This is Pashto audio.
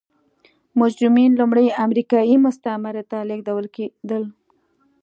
مجرمین لومړی امریکايي مستعمرې ته لېږدول کېدل.